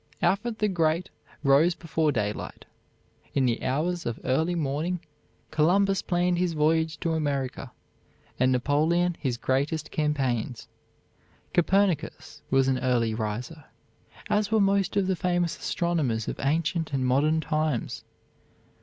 Alfred the Great rose before daylight. In the hours of early morning Columbus planned his voyage to America, and Napoleon his greatest campaigns. Copernicus was an early riser, as were most of the famous astronomers of ancient and modern times.